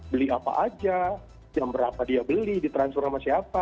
beli apa aja jam berapa dia beli ditransfer sama siapa